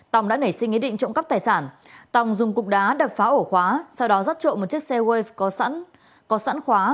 tòng đã nảy sinh ý định trộm cắp tài sản tòng dùng cục đá đập phá ổ khóa sau đó rắt trộm một chiếc xe wave có sẵn có sẵn khóa